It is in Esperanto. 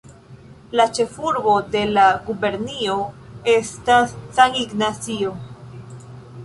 La ĉefurbo de la gubernio estas San Ignacio.